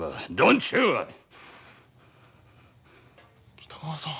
北川さん。